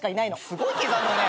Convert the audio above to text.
すごい刻むね。